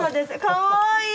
かわいい！